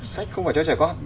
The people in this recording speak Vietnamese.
sách không phải cho trẻ con